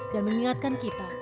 dan mengingatkan kita